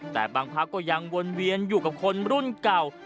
แต่บางพักก็ยังวนเวียนอยู่กับคนรุ่นเก่า